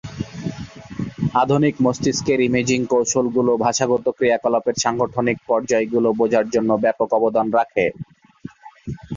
আধুনিক মস্তিষ্কের ইমেজিং কৌশলগুলি ভাষাগত ক্রিয়াকলাপের সাংগঠনিক পরযায় গুলো বোঝার জন্য ব্যাপক অবদান রাখে।